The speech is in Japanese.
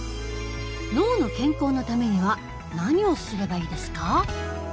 脳の健康のためには何をすればいいですか？